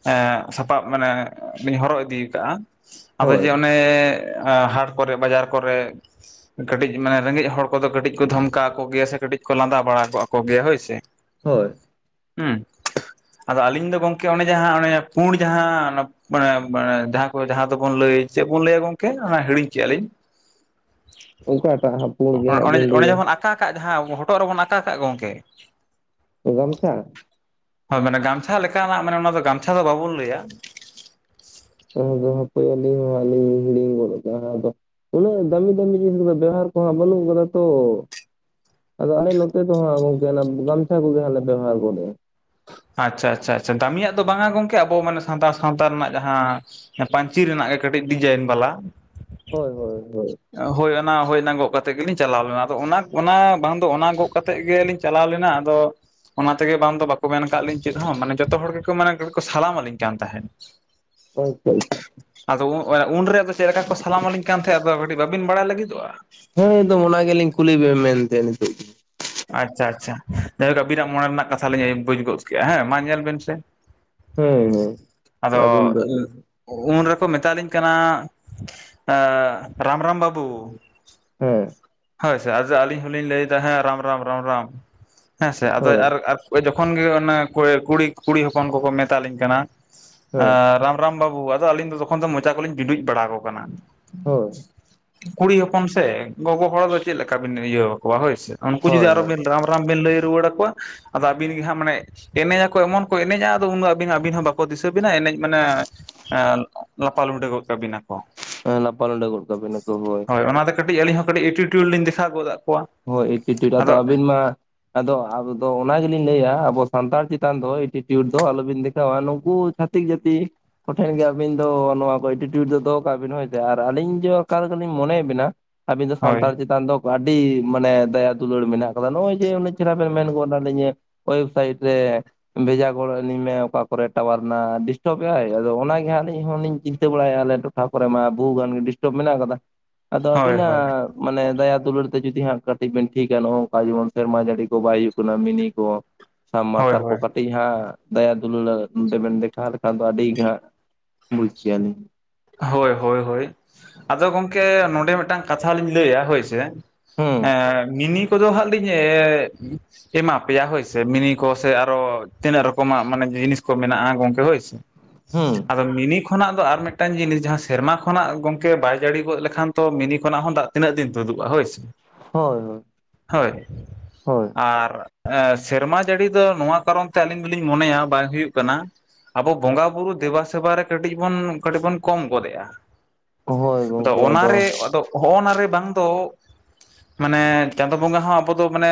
ᱮᱸ ᱥᱟᱯᱟᱵ ᱢᱟᱱᱮ ᱞᱤᱧ ᱦᱚᱨᱚᱜ ᱤᱫᱤ ᱠᱟᱜᱼᱟ, ᱟᱫᱚ ᱦᱳᱭ ᱡᱮ ᱚᱱᱮ ᱦᱟᱴ ᱠᱚᱨᱮ, ᱵᱟᱡᱟᱨ ᱠᱚᱨᱮ ᱠᱟᱹᱴᱤᱡ ᱢᱟᱱᱮ ᱨᱮᱸᱜᱮᱡ ᱦᱚᱲ ᱠᱚᱫᱚ ᱠᱟᱹᱴᱤᱡ ᱠᱚ ᱫᱷᱚᱢᱠᱟᱣ ᱠᱚ ᱜᱮᱭᱟ ᱥᱮ ᱠᱟᱹᱴᱤᱡ ᱠᱚ ᱞᱟᱸᱫᱟ ᱵᱟᱲᱟ ᱟᱠᱚ ᱟᱠᱚ ᱜᱮᱭᱟ ᱦᱳᱭ ᱥᱮ, ᱦᱳᱭ᱾ ᱦᱩᱸ, ᱟᱫᱚ ᱟᱹᱞᱤᱧ ᱫᱚ ᱜᱚᱝᱠᱮ ᱚᱱᱮ ᱡᱟᱦᱟᱸ ᱚᱱᱮ ᱯᱩᱬ ᱡᱟᱦᱟᱸ ᱢᱟᱱᱮ ᱡᱟᱦᱟᱸ ᱠᱚ ᱡᱟᱦᱟᱸ ᱫᱚᱵᱚᱱ ᱞᱟᱹᱭ, ᱪᱮᱫ ᱵᱚᱱ ᱞᱟᱹᱭᱟ ᱜᱚᱝᱠᱮ ᱚᱱᱟ ᱦᱤᱲᱤᱧ ᱠᱮᱫᱼᱟ ᱞᱤᱧ, ᱚᱠᱟᱴᱟᱜ ᱦᱟᱸᱜ ᱯᱩᱬ ᱜᱮ ᱚᱸ ᱦᱟᱸᱜ ᱚᱸᱰᱮ ᱵᱤᱱ ᱚᱸᱰᱮ ᱞᱟᱹᱭᱟ ᱡᱮ ᱵᱚᱱ ᱟᱠᱟ ᱠᱟᱜ ᱡᱟᱦᱟᱸ ᱦᱚᱴᱚᱜ ᱨᱮᱵᱚᱱ ᱟᱠᱟ ᱠᱟᱜ ᱜᱚᱝᱠᱮ, ᱚ ᱜᱟᱢᱪᱷᱟ? ᱦᱚᱭ ᱢᱟᱱᱮ ᱜᱟᱢᱪᱷᱟ ᱞᱮᱠᱟᱱᱟᱜ ᱢᱟᱱᱮ ᱚᱱᱟ ᱫᱚ ᱜᱟᱢᱪᱷᱟ ᱫᱚ ᱵᱟᱵᱚᱱ ᱞᱟᱹᱭᱟ᱾ (inaudible) ᱦᱟᱯᱮ ᱟᱞᱤᱧ ᱦᱚᱸᱜ-ᱟᱞᱤᱧ ᱦᱤᱲᱤᱝ ᱜᱚᱫ ᱠᱟᱜ-ᱟ ᱦᱟᱸᱜ ᱟᱫᱚ ᱩᱱᱟᱹᱜ ᱫᱟᱹᱢᱤ ᱫᱟᱹᱢᱤ ᱡᱤᱱᱤᱥ ᱠᱚᱫᱚ ᱵᱮᱣᱦᱟᱨ ᱠᱚᱦᱚᱸ ᱵᱟᱹᱱᱩᱜ ᱠᱟᱫᱟ ᱛᱚ, ᱟᱫᱚ ᱟᱞᱮ ᱱᱚᱛᱮ ᱫᱚ ᱦᱟᱸᱜ ᱜᱚᱝᱠᱮ ᱚᱱᱟ ᱜᱟᱢᱪᱷᱟ ᱠᱚᱜᱮ ᱦᱟᱸᱜ ᱞᱮ ᱵᱮᱵᱦᱟᱨ ᱜᱚᱫ-ᱮᱫ᱾ ᱟᱪᱪᱷᱟ ᱟᱪᱪᱷᱟ ᱟᱪᱪᱷᱟ ᱫᱟᱢᱤᱭᱟᱜ ᱫᱚ ᱵᱟᱝᱟ ᱜᱚᱝᱠᱮ ᱟᱵᱚ ᱢᱟᱱᱮ ᱥᱟᱱᱛᱟᱲ ᱥᱟᱶᱛᱟ ᱨᱮᱱᱟᱜ ᱡᱟᱦᱟᱸ ᱦᱮᱸ ᱯᱟᱧᱪᱤ ᱨᱮᱱᱟᱜ ᱜᱮ ᱠᱟᱹᱴᱤᱡ ᱰᱤᱡᱟᱭᱤᱱ ᱵᱟᱞᱟ᱾ ᱦᱳᱭ ᱦᱳᱭ ᱦᱳᱭ᱾ ᱦᱳᱭ ᱚᱱ, ᱦᱳᱭ ᱚᱱᱟ ᱜᱚᱜ ᱠᱟᱛᱮᱜ ᱜᱮᱞᱤᱧ ᱪᱟᱞᱟᱣ ᱞᱮᱱᱟ ᱟᱫᱚ ᱚᱱᱟ, ᱚᱱᱟ ᱵᱟᱝ ᱫᱚ ᱚᱱᱟ ᱜᱚᱜ ᱠᱟᱛᱮᱜ ᱜᱮᱞᱤᱧ ᱪᱟᱞᱟᱣ ᱞᱮᱱᱟ ᱟᱫᱚ, ᱚᱱᱟ ᱛᱮᱜᱮ ᱵᱟᱝ ᱫᱚ ᱵᱟᱠᱚ ᱢᱮᱱ ᱠᱟᱜ ᱞᱤᱧ ᱪᱮᱫ ᱦᱚᱸ ᱢᱟᱱᱮ ᱡᱚᱛᱚ ᱦᱚᱲ ᱜᱮᱠᱚ ᱢᱟᱱᱮ ᱠᱚ ᱥᱟᱞᱟᱢ ᱟᱞᱤᱧ ᱠᱟᱱ ᱛᱟᱦᱮᱸᱫ᱾ (inaudible) ᱟᱫᱚ (inaudible) ᱩᱱᱨᱮ ᱟᱫᱚ ᱪᱮᱫ ᱞᱮᱠᱟ ᱠᱚ ᱥᱟᱞᱟᱢ ᱟᱹᱞᱤᱧ ᱠᱟᱱ ᱛᱟᱦᱮᱸᱫ ᱟᱫᱚ ᱠᱟᱹᱴᱤᱡ ᱵᱟᱹᱵᱤᱱ ᱵᱟᱲᱟᱭ ᱞᱟᱹᱜᱤᱫᱚᱜ-ᱟ? ᱦᱮᱸ ᱮᱠᱫᱚᱢ ᱚᱱᱟ ᱜᱮᱞᱤᱧ ᱠᱩᱞᱤ ᱵᱮᱱ ᱢᱮᱱᱛᱮ ᱱᱤᱛᱚᱜ ᱫᱚ᱾ ᱟᱪᱪᱷᱟ ᱟᱪᱪᱷᱟ, ᱡᱟᱭᱦᱳᱠ ᱟᱵᱤᱱᱟᱜ ᱢᱚᱱᱮ ᱨᱮᱱᱟᱜ ᱠᱟᱛᱷᱟ ᱞᱤᱧ ᱵᱩᱡᱽ ᱜᱚᱜ ᱠᱮᱜᱼᱟ ᱦᱮᱸ ᱢᱟ ᱧᱮᱞ ᱵᱤᱱ ᱥᱮ ᱦᱮᱸ ᱦᱮᱸ ᱟᱫᱚ ᱟᱹᱵᱤᱱ ᱫᱚ ᱩᱱ ᱨᱮᱠᱚ ᱢᱮᱛᱟᱞᱤᱧ ᱠᱟᱱᱟ ᱟᱺ ᱨᱟᱢ ᱨᱟᱢ ᱵᱟᱵᱩ᱾ ᱦᱮᱸ᱾ ᱦᱳᱭ ᱥᱮ ᱟᱫᱚ ᱟᱹᱞᱤᱧ ᱦᱚᱸᱞᱤᱧ ᱞᱟᱹᱭᱫᱟ ᱦᱮᱸ ᱨᱟᱢ ᱨᱟᱢ ᱨᱟᱢ ᱨᱟᱢ, ᱦᱮᱸ ᱥᱮ ᱟᱫᱚ ᱦᱳᱭ ᱟᱨ ᱟᱨ ᱡᱚᱠᱷᱚᱱ ᱜᱮ ᱚᱱᱟ ᱠᱩᱲᱤ ᱠᱩᱲᱤ ᱠᱩᱲᱤ ᱦᱚᱯᱚᱱ ᱠᱚᱠᱚ ᱢᱮᱛᱟᱞᱤᱧ ᱠᱟᱱᱟ, ᱦᱮᱸ ᱟᱸ ᱨᱟ ᱨᱟᱢ ᱵᱟᱹᱵᱩ ᱟᱫᱚ ᱟᱹᱞᱤᱧ ᱫᱚ ᱛᱚᱠᱷᱚᱱ ᱫᱚ ᱢᱚᱪᱟ ᱠᱚᱞᱤᱧ ᱵᱤᱸᱰᱩᱡ ᱵᱟᱲᱟ ᱟᱠᱚ ᱠᱟᱱᱟ᱾ ᱦᱳᱭ ᱠᱩᱲᱤ ᱦᱚᱯᱚᱱ ᱥᱮ ᱜᱚᱜᱚ ᱦᱚᱲ ᱫᱚ ᱪᱮᱫ ᱞᱮᱠᱟ ᱵᱤᱱ ᱤᱭᱟᱹᱣ ᱟᱠᱚᱣᱟ ᱦᱳᱭᱥᱮ ᱾ ᱩᱱᱠᱩ ᱡᱩᱫᱤ ᱦᱳᱭ ᱟᱨᱚ ᱵᱤᱱ ᱨᱟᱢ ᱨᱟᱢ ᱵᱤᱱ ᱞᱟᱹᱭ ᱨᱩᱣᱟᱹᱲ ᱟᱠᱚᱣᱟ, ᱟᱫᱚ ᱟᱹᱵᱤᱱ ᱜᱮ ᱦᱟᱸᱜ ᱢᱟᱱᱮ ᱮᱱᱮᱡ ᱟᱠᱚ ᱮᱢᱚᱱ ᱠᱚ ᱮᱱᱮᱡᱟ ᱟᱫᱚ ᱩᱱ ᱫᱚ ᱟᱹᱵᱤᱱ ᱦᱚᱸ ᱵᱟᱠᱚ ᱫᱤᱥᱟᱹ ᱵᱤᱱᱟ ᱮᱱᱮᱡ ᱢᱟᱱᱮ ᱮᱸ ᱞᱟᱯᱟ ᱞᱩᱸᱰᱟᱹ ᱜᱚᱫ ᱠᱟᱵᱤᱱᱟᱠᱚ ᱾ ᱦᱮᱸ ᱞᱟᱯᱟ ᱞᱩᱸᱰᱟᱹ ᱜᱚᱫ ᱠᱟᱵᱤᱱ ᱟᱠᱚ ᱦᱳᱭ ᱾ ᱚᱱᱟᱛᱮ ᱠᱟᱹᱴᱤᱡ ᱟᱞᱤᱧ ᱦᱚᱸ ᱠᱟᱹᱴᱤᱡ ᱮᱴᱤᱴᱭᱩᱰ ᱞᱤᱧ ᱫᱮᱠᱷᱟᱣ ᱜᱚᱫ ᱟᱜ ᱠᱚᱣᱟ ᱾ ᱦᱳᱭ ᱮᱴᱤᱴᱤᱭᱩᱰ, ᱟᱫᱚ ᱟᱹᱵᱤᱱ ᱢᱟ ᱟᱫᱚ ᱟᱵᱫᱚ ᱚᱱᱟ ᱜᱮᱞᱤᱧ ᱞᱟᱹᱭᱮᱜ-ᱟ ᱟᱵᱚ ᱥᱟᱱᱛᱟᱲ ᱪᱮᱛᱟᱱ ᱫᱚ ᱮᱴᱤᱴᱤᱭᱩᱴ ᱫᱚ ᱟᱞᱚ ᱵᱤᱱ ᱫᱮᱠᱷᱟᱣᱟ ᱾ ᱱᱩᱝᱠᱩ ᱪᱷᱟᱛᱤᱠ ᱡᱟᱹᱛᱤ ᱠᱚᱴᱷᱮᱱ ᱜᱮ ᱟᱹᱵᱤᱱ ᱫᱚ ᱱᱚᱣᱟ ᱠᱚ ᱮᱴᱤᱴᱤᱭᱩᱴ ᱫᱚ ᱫᱚᱦᱚ ᱠᱟᱜ ᱵᱤᱱ ᱦᱳᱭ ᱥᱮ ᱟᱨ ᱟᱹᱞᱤᱧ ᱡᱮ ᱚᱠᱟ ᱞᱮᱠᱟ ᱞᱤᱧ ᱢᱚᱱᱭᱮᱫ ᱵᱤᱱᱟ ᱟᱹᱵᱤᱱ ᱫᱚ ᱦᱳᱭ ᱥᱟᱱᱛᱟᱲ ᱪᱮᱛᱟᱱ ᱫᱚ ᱟᱹᱰᱤ ᱢᱟᱱᱮ ᱫᱟᱭᱟ ᱫᱩᱞᱟᱹᱲ ᱢᱮᱱᱟᱜ ᱠᱟᱫᱟ ᱱᱚᱜ-ᱚᱭ ᱡᱮ ᱪᱮᱦᱨᱟ ᱵᱤᱱ ᱢᱮᱱ ᱜᱚᱫ ᱟᱜ ᱞᱤᱧᱟᱹ ᱳᱭᱮᱵᱥᱟᱭᱤᱴ ᱨᱮ ᱵᱷᱮᱡᱟ ᱜᱚᱫ ᱟᱹᱞᱤᱧ ᱢᱮ ᱚᱠᱟ ᱠᱚᱨᱮ ᱴᱟᱣᱟᱨ ᱨᱮᱱᱟᱜ ᱰᱤᱥᱴᱟᱵᱮᱜ ᱟᱭ, ᱟᱫᱚ ᱚᱱᱟᱜᱮ ᱟᱹᱞᱤᱧ ᱦᱚᱸᱞᱤᱧ ᱪᱤᱱᱛᱟᱹ ᱵᱟᱲᱟᱭᱮᱜ-ᱟ ᱟᱞᱮ ᱴᱷᱟᱸᱣ ᱠᱚᱨᱮᱜ ᱢᱟ ᱵᱚᱦᱩ ᱜᱟᱱ ᱜᱮ ᱰᱤᱥᱴᱚᱵ ᱢᱮᱱᱟᱜ ᱟᱠᱟᱫᱟ ᱾ ᱟᱫᱚ ᱦᱳᱭ ᱦᱳᱭ ᱟᱵᱤᱱᱟᱜ ᱢᱟᱱᱮ ᱫᱟᱭᱟ ᱫᱩᱞᱟᱹᱲ ᱛᱮ ᱡᱩᱫᱤ ᱦᱟᱸᱜ ᱠᱟᱹᱴᱤᱡ ᱵᱮᱱ ᱴᱷᱤᱠᱟ ᱱᱚᱜ-ᱚ ᱚᱝᱠᱟ ᱡᱮᱢᱚᱱ ᱥᱮᱨᱢᱟ ᱡᱟᱹᱲᱤ ᱠᱚ ᱵᱟᱭ ᱦᱩᱭᱩᱜ ᱠᱟᱱᱟ ᱢᱤᱱᱤ ᱠᱚ, ᱦᱳᱭ ᱥᱟᱵᱢᱟᱨᱥᱟᱞ ᱠᱚ ᱦᱳᱭ ᱠᱟᱹᱴᱤᱡ ᱦᱟᱸᱜ ᱫᱟᱭᱟ ᱫᱩᱞᱟᱹᱲ ᱱᱚᱰᱮᱵᱮᱱ ᱫᱮᱠᱷᱟᱣ ᱞᱮᱠᱷᱟᱱ ᱫᱚ ᱟᱹᱰᱤ ᱜᱮ ᱦᱟᱸᱜ ᱵᱩᱡ ᱠᱮᱭᱟᱞᱤᱧ ᱾ ᱦᱳᱭ ᱦᱳᱭ ᱦᱳᱭ ᱾ ᱟᱫᱚ ᱜᱚᱢᱠᱮ ᱱᱚᱰᱮ ᱢᱮᱜᱴᱟᱝ ᱠᱟᱛᱷᱟ ᱞᱤᱧ ᱞᱟᱹᱭᱟ ᱦᱳᱭ ᱥᱮ ᱦᱩᱸ ᱾ ᱮ ᱢᱤᱱᱤ ᱠᱚᱫᱚ ᱦᱟᱸᱜ ᱞᱤᱧ ᱮᱻ ᱮᱢᱟ ᱯᱮᱭᱟ ᱦᱳᱭᱥᱮ ᱾ ᱢᱤᱱᱤ ᱠᱚ ᱥᱮ ᱟᱨᱚ ᱛᱤᱱᱟᱹᱜ ᱨᱚᱠᱚᱢᱟᱜ ᱢᱟᱱᱮ ᱡᱤᱱᱤᱥ ᱠᱚ ᱢᱮᱱᱟᱜ-ᱟ ᱜᱚᱝᱠᱮ ᱦᱳᱭ ᱥᱮ ᱾ ᱦᱩᱸ (inaudible) ᱟᱫᱚ ᱢᱤᱱᱤ ᱠᱷᱚᱱᱟᱜ ᱫᱚ ᱟᱨ ᱢᱮᱫ ᱴᱟᱝ ᱡᱤᱱᱤᱥ ᱡᱟᱦᱟᱸ ᱥᱮᱨᱢᱟ ᱠᱷᱚᱱᱟᱜ ᱜᱚᱝᱠᱮ ᱵᱟᱭ ᱡᱟᱹᱲᱤ ᱜᱚᱫ ᱞᱮᱠᱷᱟᱱ ᱛᱚ ᱢᱤᱱᱤ ᱠᱷᱚᱱᱟᱜ ᱦᱚᱸ ᱫᱟᱜ ᱛᱤᱱᱟᱹᱜ ᱫᱤᱱ ᱛᱩᱫᱩᱜ-ᱟ ᱦᱳᱭ ᱥ ᱮ ᱾ ᱦᱳᱭ ᱦᱳᱭ ᱾ ᱦᱳᱭ ᱾ ᱟᱨ ᱮ ᱥᱮᱨᱢᱟ ᱡᱟᱹᱲᱤ ᱫᱚ ᱱᱚᱣᱟ ᱠᱟᱨᱚᱱ ᱛᱮ ᱟᱹᱞᱤᱧ ᱫᱚᱞᱤᱧ ᱢᱚᱱᱮᱭᱟ ᱵᱟᱭ ᱦᱩᱭᱩᱜ ᱠᱟᱱᱟ, ᱟᱵᱚ ᱵᱚᱸᱜᱟ ᱵᱩᱨᱩ ᱫᱮᱵᱟ ᱥᱮᱵᱟ ᱨᱮ ᱠᱟᱹᱴᱤᱡ ᱵᱚᱱ ᱠᱟᱹᱴᱤᱡ ᱵᱚᱱ ᱠᱚᱢ ᱜᱚᱫᱮᱜ-ᱟ ᱦᱳᱭ ᱾ (inaudible) ᱟᱫᱚ ᱜᱚᱝᱠᱮ ᱚᱱᱟᱨᱮ ᱟᱫᱚ ᱦᱚᱜ-ᱱᱟ ᱨᱮ ᱵᱟᱝ ᱫᱚ ᱢᱟᱱᱮ ᱪᱟᱸᱫᱳ ᱵᱚᱸᱜᱟ ᱦᱚᱸ ᱟᱵᱚ ᱫᱚ ᱢᱟᱱᱮ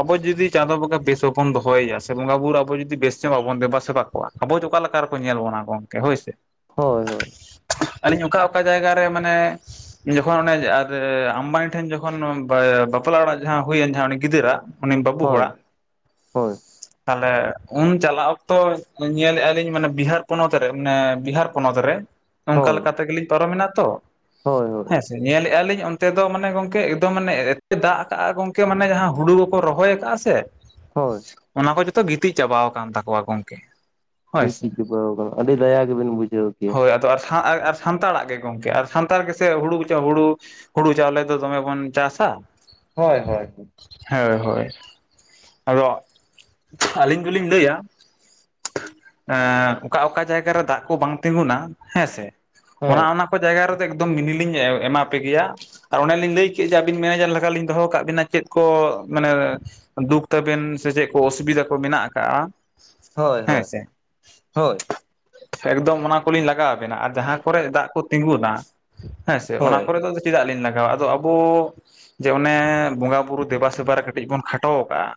ᱟᱵᱚ ᱡᱩᱫᱤ ᱪᱟᱸᱫᱳ ᱵᱚᱸᱜᱟ ᱵᱮᱥ ᱵ ᱵᱚᱱ ᱫᱚᱦᱚᱭᱮᱭᱟ ᱥᱮ ᱵᱚᱸᱜᱟ ᱵᱩᱨ ᱟᱵᱚ ᱡᱩᱫᱤ ᱵᱮᱥ ᱧᱚᱸᱜ ᱵᱟᱵᱚᱱ ᱫᱮᱵᱟ ᱥᱮᱵᱟ ᱠᱚᱣᱟ, ᱟᱵᱚ ᱫᱚ ᱚᱠᱟ ᱞᱮᱠᱟ ᱨᱮᱠᱚ ᱧᱮᱞ ᱵᱚᱱᱟ ᱜᱚᱝᱠᱮ ᱦᱳᱭ ᱥᱮ ᱾ ᱦᱳᱭ ᱦᱳᱭ ᱾ ᱟᱹᱞᱤᱧ ᱚᱠᱟ ᱚᱠᱟ ᱡᱟᱭᱜᱟ ᱨᱮ ᱢᱟᱱᱮ ᱡᱚᱠᱷᱚᱱ ᱚᱱᱮ ᱟᱨ ᱟᱢᱵᱟᱱᱤ ᱴᱷᱮᱱ ᱡᱚᱠᱷᱚᱱ ᱵᱟ ᱵᱟᱯᱞᱟ ᱚᱲᱟᱜ ᱡᱟᱦᱟᱸ ᱦᱩᱭᱮᱱ ᱡᱟᱸᱦᱟ ᱩᱱᱤ ᱜᱤᱫᱟᱹᱨᱟᱜ ᱩᱱᱤ ᱵᱟᱹᱵᱩ ᱦᱳᱭ ᱦᱚᱲᱟᱜ ᱦᱳᱭ᱾ ᱛᱟᱦᱞᱮ ᱩᱱ ᱪᱟᱞᱟᱜ ᱚᱠᱛᱚ ᱧᱮᱞᱮᱜ-ᱟ ᱞᱤᱧ ᱢᱟᱱᱮ ᱵᱤᱦᱟᱨ ᱯᱚᱱᱚᱛ ᱨᱮ ᱢᱟᱱᱮ ᱵᱤᱦᱟᱨ ᱯᱚᱱᱚᱛ ᱨᱮ, ᱚᱱᱠᱟ ᱦᱳᱭ ᱞᱮᱠᱟ ᱛᱮᱜᱮᱞᱤᱧ ᱯᱟᱨᱚᱢ ᱮᱱᱟ ᱛᱚ ᱾ ᱦᱳᱭ ᱦᱳᱭ᱾ ᱧᱮᱞᱮᱜ-ᱟ ᱞᱤᱧ ᱚᱱᱛᱮ ᱫᱚ ᱢᱟᱱᱮ ᱜᱚᱝᱠᱮ ᱮᱠᱫᱚᱢ ᱢᱟᱱᱮ ᱮᱛ ᱫᱟᱜ ᱠᱟᱜ-ᱟ ᱜᱚᱝᱠᱮ ᱢᱟᱱᱮ ᱡᱟᱦᱟᱸ ᱦᱩᱲᱩ ᱠᱚᱠᱚ ᱨᱚᱦᱚᱭ ᱠᱟᱜ-ᱟ ᱥᱮ ᱦᱳᱭ ᱚᱱᱟ ᱠᱚ ᱡᱚᱛᱚ ᱜᱤᱛᱤᱡ ᱪᱟᱵᱟᱣ ᱟᱠᱟᱱ ᱛᱟᱠᱚᱣᱟ ᱜᱚᱢᱠᱮ᱾ ᱜᱤᱛᱤᱡ ᱪᱟᱵᱟᱣ ᱟᱠᱟᱱᱟ, ᱟᱹᱰᱤ ᱫᱟᱭᱟ ᱜᱮᱵᱮᱱ ᱵᱩᱡᱷᱟᱹᱣ ᱠᱮᱭᱟ ᱾ ᱦᱳᱭ ᱟᱫᱚ ᱟᱨ ᱥᱟᱶ ᱮ ᱯ ᱥᱟᱱᱛᱟᱲᱟᱜ ᱜᱮ ᱜᱚᱝᱠᱮ, ᱟᱨ ᱥᱟᱱᱛᱟᱲ ᱜᱮᱥᱮ ᱦᱩᱲᱩ ᱜᱚᱪᱚ ᱦᱩᱲᱩ ᱦᱩᱲᱩ ᱪᱟᱣᱞᱮ ᱫᱚ ᱫᱚᱢᱮ ᱵᱚᱱ ᱪᱟᱥᱟ᱾ ᱦᱳᱭ ᱦᱳᱭ ᱾ ᱦᱳᱭ ᱦᱳᱭ᱾ ᱟᱫᱚ ᱟᱹᱞᱤᱧ ᱫᱚᱞᱤᱧ ᱞᱟᱹᱭᱟ ᱮᱸ ᱚᱠᱟ ᱚᱠᱟ ᱡᱟᱭᱜᱟ ᱨᱮ ᱫᱟᱜ ᱠᱚ ᱵᱟᱝ ᱛᱤᱸᱜᱩᱱᱟ ᱦᱮᱸᱥᱮ ᱚᱱᱟ ᱦᱮᱸ ᱚᱱᱟ ᱠᱚ ᱡᱟᱭᱜᱟ ᱨᱮᱫᱚ ᱮᱠᱫᱚᱢ ᱢᱤᱱᱤᱞᱤᱧ ᱮᱢᱟ ᱯᱮ ᱠᱮᱭᱟ᱾ ᱟᱨ ᱚᱱᱮᱞᱤᱧ ᱞᱟᱹᱭ ᱠᱮᱫ ᱡᱮ ᱟᱹᱵᱤᱱ ᱢᱮᱱᱮᱡᱟᱨ ᱞᱮᱠᱟ ᱞᱤᱧ ᱫᱚᱦᱚ ᱠᱟᱜ ᱵᱤᱱᱟ ᱪᱮᱫ ᱠᱚ ᱢᱟᱱᱮ ᱫᱩᱠ ᱛᱟᱵᱮᱱ ᱥᱮ ᱪᱮᱫ ᱠᱚ ᱚᱥᱩᱵᱤᱫᱟ ᱠᱚ ᱢᱮᱱᱟᱜ ᱟᱠᱟᱜᱼᱟ? ᱦᱳᱭ ᱦᱮᱸ ᱦᱳᱭ, ᱥᱮ ᱦᱳᱭ᱾ ᱮᱠᱫᱚᱢ ᱚᱱᱟ ᱠᱚᱞᱤᱧ ᱞᱟᱜᱟᱣ ᱵᱤᱱᱟ ᱟᱨ ᱡᱟᱦᱟᱸ ᱠᱚᱨᱮ ᱫᱟᱜ ᱠᱚ ᱛᱤᱸᱜᱩᱱᱟ ᱦᱮᱸᱥᱮ, ᱚᱱᱟ ᱦᱳᱭ ᱠᱚᱨᱮ ᱫᱚ ᱪᱮᱫᱟᱜ ᱞᱤᱧ ᱞᱟᱜᱟᱣᱟ ᱟᱫᱚ ᱟᱵᱚ ᱡᱮ ᱚᱱᱮ ᱵᱚᱸᱜᱟ ᱵᱩᱨᱩ ᱫᱮᱵᱟᱼᱥᱮᱵᱟ ᱨᱮ ᱠᱟᱹᱴᱤᱡ ᱵᱚᱱ ᱠᱷᱟᱴᱚ ᱣᱟᱠᱟᱜᱼᱟ᱾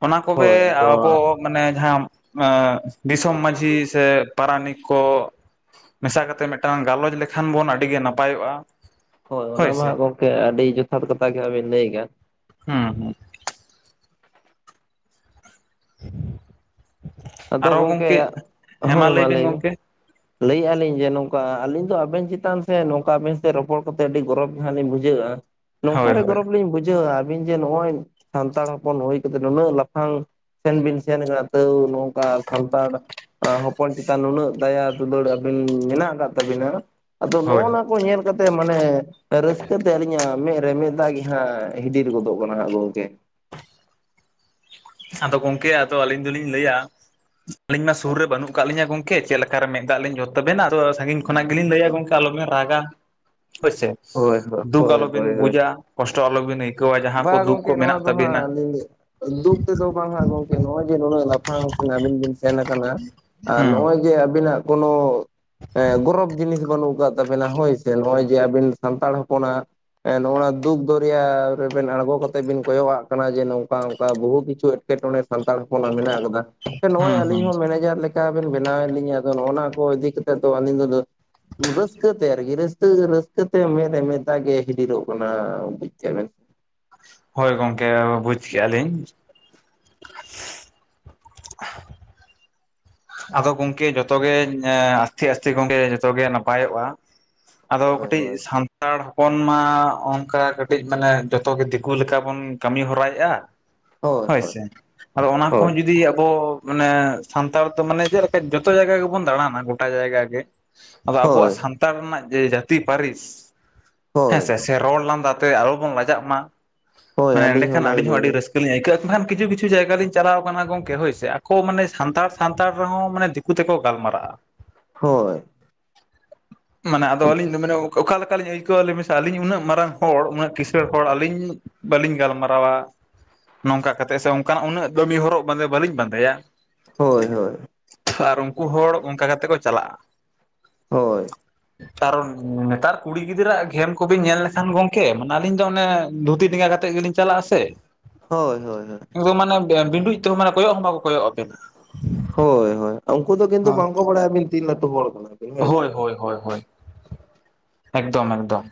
ᱚᱱᱟ ᱠᱚᱵᱮ ᱦᱳᱭ ᱟᱫᱚ ᱟᱵᱚ ᱢᱟᱱᱮ ᱡᱟᱦᱟᱸ ᱮᱸ ᱫᱤᱥᱚᱢ ᱢᱟᱺᱡᱷᱤ ᱮᱜ ᱯᱟᱨᱟᱱᱤᱠ ᱠᱚ ᱢᱮᱥᱟ ᱠᱟᱛᱮ ᱢᱮᱫᱴᱟᱝ ᱜᱟᱞᱚᱪ ᱞᱮᱠᱷᱟᱱ ᱵᱚᱱ ᱟᱹᱰᱤ ᱜᱮ ᱱᱟᱯᱟᱭᱚᱜᱼᱟ᱾ ᱦᱳᱭ, ᱚᱱᱟ ᱢᱟᱦᱟᱸᱜ ᱜᱚᱝᱠᱮ ᱟᱹᱰᱤ ᱡᱚᱛᱷᱟᱛ ᱠᱟᱛᱷᱟ ᱜᱮ ᱦᱟᱜ ᱟᱵᱮᱱ ᱞᱟᱹᱭ ᱠᱟᱱ᱾ ᱦᱩᱸ ᱦᱩ (unintelligible) ᱟᱫᱚ ᱜᱚᱝᱠᱮ, ᱦᱮᱸ ᱦᱳᱭ ᱢᱟ ᱵᱤᱱ ᱞᱟᱹᱭ ᱢᱮ᱾ ᱜᱚᱝᱠᱮ ᱞᱟᱹᱭᱮᱫᱼᱟ ᱞᱤᱧ ᱡᱮ ᱱᱚᱝᱠᱟ ᱟᱹᱞᱤᱧ ᱫᱚ ᱟᱵᱮᱱ ᱪᱮᱛᱟᱱ ᱥᱮ ᱱᱚᱝᱠᱟ ᱟᱵᱮᱱ ᱥᱮᱜ ᱨᱚᱯᱚᱲ ᱠᱚ ᱟᱹᱰᱤ ᱜᱚᱨᱚᱵᱽ ᱦᱟᱸᱜ ᱞᱤᱧ ᱵᱩᱡᱷᱣᱼᱟ ᱱᱚᱝᱠᱟ ᱦᱳᱭ ᱨᱮ ᱦᱳᱭ ᱜᱚᱨᱚᱵᱽ ᱞᱤᱧ ᱵᱩᱡᱷᱟᱹᱣᱟ ᱟᱹᱵᱤᱱ ᱡᱮ ᱱᱚᱜᱼᱚᱭ ᱥᱟᱱᱛᱟᱲ ᱦᱚᱯᱚᱱ ᱦᱩᱭ ᱠᱟᱛᱮᱫ ᱱᱩᱱᱟᱹᱜ ᱞᱟᱯᱷᱟᱝ ᱥᱮᱱ ᱵᱤᱱ ᱥᱮᱱ ᱟᱠᱱᱟ ᱛᱟᱹᱣ ᱱᱚ ᱠᱟ ᱥᱟᱱᱛᱟᱲ ᱦᱚᱯᱚᱱ ᱪᱮᱛᱟᱱ ᱱᱩᱱᱟᱹᱜ ᱫᱟᱭᱟ ᱫᱩᱞᱟᱹᱲ ᱟᱵᱤᱱ ᱢᱮᱱᱟᱜ ᱠᱟᱜ ᱛᱟᱵᱤᱱᱟ ᱟᱫᱚ ᱦᱳᱭ ᱱᱚᱜᱼᱚ ᱱᱟ ᱠᱚ ᱧᱮᱞ ᱠᱟᱛᱮ ᱢᱟᱱᱮ ᱨᱟᱹᱥᱠᱟᱹ ᱛᱮ ᱟᱹᱞᱤᱧᱟᱜ ᱢᱮᱫ ᱨᱮ ᱢᱮᱫ ᱫᱟᱜ ᱜᱮ ᱦᱟᱸᱜ ᱦᱤᱰᱤᱨ ᱜᱚᱫᱚᱜ ᱠᱟᱱᱟ ᱦᱟᱸᱜ ᱜᱚᱝᱠᱮ᱾ ᱟᱫᱚ ᱜᱚᱝᱠᱮ ᱟᱫᱚ ᱟᱞᱤᱧ ᱫᱚᱞᱤᱧ ᱞᱟᱹᱭᱟ ᱟᱞᱤᱧ ᱢᱟ ᱥᱩᱨ ᱨᱮ ᱵᱟᱹᱱᱩᱜ ᱠᱟᱜ ᱞᱤᱧᱟ ᱜᱚᱝᱠᱮ ᱪᱮᱫ ᱞᱮᱠᱟ ᱨᱮ ᱢᱮᱫ ᱫᱟᱜ ᱞᱤᱧ ᱡᱚᱫᱷ ᱛᱟᱵᱮᱱᱟ ᱟᱫᱚ ᱥᱟᱹᱜᱤᱧ ᱠᱷᱚᱱᱟᱜ ᱜᱮᱞᱤᱧ ᱞᱟᱹᱭᱟ ᱜᱚᱝᱠᱮ ᱟᱞᱚᱵᱮᱱ ᱨᱟᱜᱟ, ᱦᱳᱭᱥᱮ᱾ ᱦᱳᱭ ᱦᱳᱭ ᱫᱩᱠ ᱦᱳᱭ ᱟᱞᱚᱵᱮᱱ ᱦᱳᱭ ᱦᱳᱭ ᱵᱩᱡᱟ, ᱠᱚᱥᱴᱚ ᱟᱞᱚ ᱵᱮᱱ ᱟᱹᱭᱠᱟᱹᱣᱟ ᱡᱟᱦᱟᱸ ᱠᱚ ᱵᱟᱝ ᱫᱩᱠ ᱠᱚ ᱜᱚᱝᱠᱮ ᱱᱚᱣᱟ ᱢᱮᱱᱟᱜ ᱫᱚ ᱦᱟᱸᱜ ᱛᱟᱵᱤᱱᱟ᱾ ᱟᱹᱞᱤᱧ ᱫᱩᱠ ᱛᱮᱫᱚ ᱵᱟᱝ-ᱟ ᱜᱚᱝᱠᱮ ᱱᱚᱜᱼᱚᱭ ᱡᱮ ᱱᱩᱱᱟᱹᱜ ᱞᱟᱯᱷᱟᱝ ᱥᱮᱱ ᱟᱵᱤᱱ ᱵᱤᱱ ᱥᱮᱱ ᱟᱠᱟᱱᱟ ᱟᱨ ᱦᱩᱸ ᱱᱚᱜᱼᱚᱭ ᱡᱮ ᱟᱵᱤᱱᱟᱜ ᱠᱳᱱᱳ ᱮᱸ ᱜᱚᱨᱚᱵ ᱡᱤᱱᱤᱥ ᱵᱟᱹᱱᱩᱜ ᱠᱟᱫ ᱛᱟᱵᱮᱱᱟ ᱦᱳᱭ ᱥᱮ, ᱱᱚᱜᱼᱚᱭ ᱡᱮ ᱟᱵᱤᱱ ᱥᱟᱱᱛᱟᱲ ᱦᱚᱯᱚᱱᱟᱜ ᱮᱸ ᱱᱚᱣᱟ ᱫᱩᱠ ᱫᱚᱨᱭᱟ ᱨᱮᱵᱮᱱ ᱟᱬᱜᱚ ᱠᱟᱛᱮᱜ ᱵᱤᱱ ᱠᱚᱭᱚᱜ ᱟᱜ ᱠᱟᱱᱟ ᱡᱮ ᱱᱚᱝᱠᱟ ᱚᱝᱠᱟ ᱵᱚᱦᱩ ᱠᱤᱪᱷᱩ ᱮᱴᱠᱮ ᱴᱚᱸᱬᱮ ᱥᱟᱱᱛᱟᱲ ᱦᱚᱯᱚᱱᱟᱜ ᱢᱮᱱᱟᱜ ᱠᱟᱫᱟ ᱥᱮ ᱱᱚᱜᱼᱚᱭ ᱦᱩᱸ ᱟᱹᱞᱤᱧ ᱦᱩᱸ ᱦᱚᱸ ᱢᱮᱱᱮᱡᱟᱨ ᱞᱮ ᱠᱟ ᱵᱮᱱ ᱵᱮᱱᱟᱣᱮᱫ ᱞᱤᱧᱟᱹ ᱟᱫᱚ ᱱᱚᱜᱚ ᱱᱟ ᱠᱚ ᱤᱫᱤ ᱠᱟᱛᱮᱫ ᱫᱚ ᱟᱹᱞᱤᱧ ᱫᱚ ᱨᱟᱹᱥᱠᱟ. ᱛᱮ ᱟᱨᱠᱤ ᱨᱟᱹᱥᱠᱟ. ᱨᱟᱹᱥᱠᱟ. ᱛᱮ ᱢᱮᱫ ᱨᱮ ᱢᱮᱫ ᱫᱟᱜ ᱜᱮ ᱦᱤᱰᱤᱨᱚᱜ ᱠᱟᱱᱟ ᱵᱩᱡᱽ ᱫᱟᱵᱮᱱ᱾ ᱦᱳᱭ ᱜᱚᱝᱠᱮ ᱵᱩᱡᱽ ᱠᱮᱜᱼᱟ ᱞᱤᱧ᱾ ᱟᱫᱚ ᱜᱚᱝᱠᱮ ᱡᱚᱛᱚ ᱜᱮ ᱮᱸ ᱟᱥᱛᱮ ᱟᱥᱛᱮ ᱜᱚᱝᱠᱮ ᱡᱚᱛᱚ ᱜᱮ ᱱᱟᱯᱟᱭᱚᱜᱼᱟ᱾ ᱟᱫᱚ ᱦᱳᱭ ᱠᱟᱹᱴᱤᱡ ᱦᱳᱭ ᱥᱟᱱᱛᱟᱲ ᱦᱚ ᱦᱚᱯᱚᱱ ᱢᱟ ᱚᱱᱠᱟ ᱠᱟᱹᱴᱤᱡ ᱢᱟᱱᱮ ᱡᱚᱛᱚ ᱜᱮ ᱫᱤᱠᱩ ᱞᱮᱠᱟ ᱵᱚᱱ ᱠᱟᱹᱢᱤ ᱦᱚᱨᱟᱭᱮᱜᱼᱟ ᱾ ᱦᱳᱭ ᱥᱮ, ᱟᱫᱚ ᱚᱱᱟ ᱦᱳᱭ ᱠᱚᱦᱚᱸ ᱡᱩᱫᱤ ᱟᱵᱚ ᱢᱟᱱᱮ ᱥᱟᱱᱛᱟᱲ ᱟᱫᱚ ᱢᱟᱱᱮ ᱪᱮᱫ ᱞᱮᱠᱟ ᱡᱚᱛᱚ ᱡᱟᱭᱜᱟ ᱜᱮᱵᱚᱱ ᱫᱟᱲᱟᱱᱟ ᱜᱚᱴᱟ ᱡᱟᱭᱜᱟ ᱜᱮ ᱟᱫᱚ ᱟᱵᱚᱣᱟᱜ ᱦᱳᱭ ᱥᱟᱱ ᱛᱟᱲ ᱨᱮᱱᱟᱜ ᱡᱮ ᱡᱟᱹᱛᱤ ᱯᱟᱹᱨᱤᱥ ᱦᱳᱭ ᱦᱮᱸᱥᱮ ᱥᱮ ᱨᱚᱲ ᱞᱟᱸᱫᱟ ᱛᱮ ᱟᱞᱚ ᱵᱚᱱ ᱞᱟᱡᱟᱜ ᱢᱟ᱾ ᱦᱳᱭ ᱢᱟᱱᱮ ᱟᱹᱞᱤᱧ ᱮᱸᱰᱮᱠᱷᱟᱱ ᱚᱱᱟ ᱟᱹᱰᱤᱧ ᱦᱚᱸ ᱜᱮᱞᱤᱧ ᱟᱹᱰᱤ ᱞᱟᱹᱭ ᱨᱟᱹᱥ ᱠᱟᱹ ᱞᱤᱧ ᱟᱹᱭᱠᱟᱹᱜᱼᱟ ᱵᱟᱠᱷᱟᱱ ᱠᱤᱪᱷᱩ ᱠᱤᱪᱷᱩ ᱡᱟᱭᱜᱟ ᱞᱤᱧ ᱪᱟᱞᱟᱣ ᱟᱠᱟᱱᱟ ᱜᱚᱝᱠᱮ ᱦᱳᱭ ᱥᱮ ᱟᱠᱚ ᱢᱟᱱ ᱥᱟᱱᱛᱟᱲ ᱥᱟᱱᱛᱟᱲ ᱨᱮᱦᱚᱸ ᱢᱟᱱᱮ ᱫᱤᱠᱩ ᱛᱮᱠᱚ ᱜᱟᱞᱢᱟᱨᱟᱜᱼᱟ ᱾ ᱦᱳᱭ ᱢᱟᱱᱮ ᱟᱫᱚ ᱟᱹᱞᱤᱧ ᱫᱚ ᱚᱠᱟ ᱞᱮᱠᱟ ᱞᱤᱧ ᱟᱹᱭᱠᱟᱹᱣᱟ ᱞᱟᱹᱭ ᱵᱤᱱ ᱥᱮ ᱟᱹᱞᱤᱧ ᱩᱱᱟᱹᱜ ᱢᱟᱨᱟᱝ ᱦᱚᱲ ᱩᱱᱟᱹᱜ ᱠᱤᱥᱟᱹᱬ ᱦᱚᱲ ᱟᱹᱞᱤᱧ ᱵᱟᱹᱞᱤᱧ ᱜᱟᱞᱢᱟᱨᱟᱣᱟ ᱱᱚᱝᱠᱟ ᱠᱟᱛᱮᱫ ᱥᱮ ᱚᱱᱠᱟᱱᱟᱜ ᱩᱱᱟᱹᱜ ᱫᱟᱹᱢᱤ ᱦᱚᱨᱚᱜ ᱵᱟᱸᱫᱮ ᱵᱟᱹᱞᱤᱧ ᱵᱟᱸᱫᱮᱭᱟ᱾ ᱦᱳᱭ ᱦᱳᱭ᱾ ᱟᱨ ᱩᱱᱠᱩ ᱦᱚᱲ ᱚᱱᱠᱟ ᱠᱟᱛᱮ ᱠᱚ ᱪᱟᱞᱟᱜ-ᱟ᱾ ᱦᱳᱭ᱾ ᱠᱟᱨᱚᱱ ᱱᱮᱛᱟᱨ ᱠᱩᱲᱤ ᱜᱤᱫᱽᱨᱟᱹ ᱟᱜ ᱜᱷᱮᱢ ᱠᱚᱵᱤᱱ ᱧᱮᱞ ᱞᱮᱠᱷᱟᱱ ᱜᱚᱝᱠᱮ ᱢᱟᱱᱮ ᱟᱹᱞᱤᱧ ᱫᱚ ᱚᱱᱮ ᱫᱷᱩᱛᱤ ᱰᱮᱸᱜᱟ ᱠᱟᱛᱮᱜ ᱜᱮᱞᱤᱧ ᱪᱟᱞᱟᱜ-ᱟ ᱥᱮ, ᱦᱳᱭ ᱦᱳᱭ ᱦᱳᱭ᱾ ᱮᱠᱫᱚᱢ ᱢᱟᱱᱮ ᱵᱤᱱᱰᱩᱡ ᱛᱮᱦᱚᱸ ᱢᱟᱱᱮ ᱠᱚᱭᱚᱜ ᱦᱚᱸ ᱵᱟᱠᱚ ᱠᱚᱭᱚᱜ ᱟᱵᱮᱱᱟ ᱾ ᱦᱳᱭ ᱦᱳᱭ ᱩᱱᱠᱩ ᱫᱚ ᱠᱤᱱᱛᱩ ᱵᱟᱝᱠᱚ ᱵᱟᱲᱟᱭᱟ ᱟᱹᱵᱤᱱ ᱛᱤᱱ ᱞᱟᱹᱴᱩ ᱦᱚᱲ ᱠᱟᱱᱟᱵᱤᱱ ᱾ ᱦᱳᱭ ᱦᱳᱭ ᱦᱳᱭ ᱮᱠᱫᱚᱢ ᱮᱠᱫᱚᱢ,